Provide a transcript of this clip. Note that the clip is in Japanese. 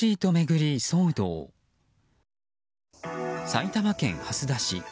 埼玉県蓮田市。